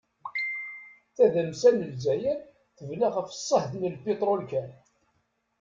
Tadamsa n Lezzayer tebna ɣef ṣṣehd n piṭrul kan.